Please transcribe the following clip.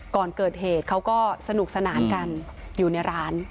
ก่อนเกิดเหตุเขาก็สนุกสนานกันอยู่ในร้าน